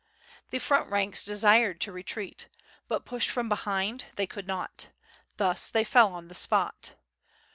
The front ranks desired to retreat, but pushed from be* hind, they could not. Thus they fell on the spot.